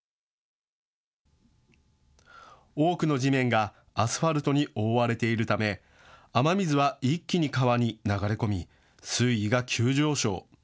多くの地面がアスファルトに覆われているため雨水は一気に川に流れ込み水位が急上昇。